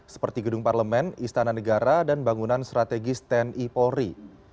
seperti gedung parlemen istana negara dan bangunan strategis tni polri